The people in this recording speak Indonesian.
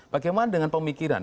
bagaimana dengan pemikiran